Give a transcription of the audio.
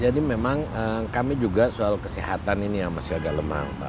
jadi memang kami juga soal kesehatan ini yang masih agak lemah